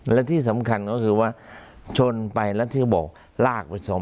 และที่สำคัญก็คือว่าชนไปแล้วที่เขาบอกลากไปสอง